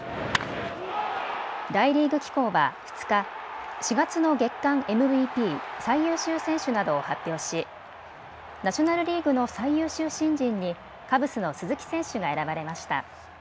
大リーグ機構は２日、４月の月間ＭＶＰ・最優秀選手などを発表しナショナルリーグの最優秀新人にカブスの鈴木選手が選ばれました。